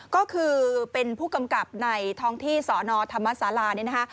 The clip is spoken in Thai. ก็คือเป็นผู้กำกับในท้องที่สนธรรมศาลาเนี่ยนะคะ